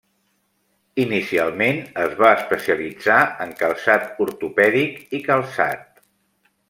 Inicialment, es va especialitzar en calçat ortopèdic i calçat.